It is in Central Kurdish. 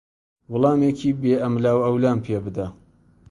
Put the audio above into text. وەڵامێکی بێ ئەملاوئەولام پێ بدە.